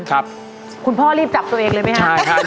คุณพ่อรีบจับตัวเองเลยไหมครับใช่ครับ